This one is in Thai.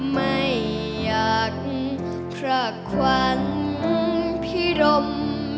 ไม่อยากพระขวัญพิรม